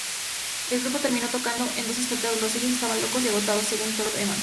El grupo terminó tocando en dos espectáculos "Ellos estaban locos y agotados", según Thorpe-Evans.